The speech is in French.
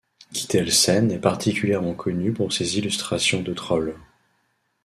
Kittelsen est particulièrement connu pour ses illustrations de troll.